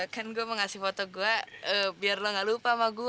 kan gue mau ngasih foto gue biar lo gak lupa sama gue